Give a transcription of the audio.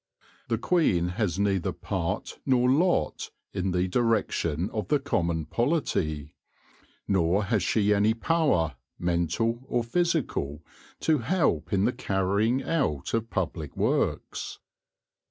The queen has neither part nor lot in the direction of the common polity ; nor has she any power, mental or physical, to help in the carrying out of public works.